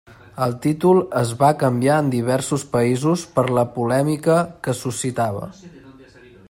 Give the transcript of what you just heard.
El títol es va canviar en diversos països per la polèmica que suscitava.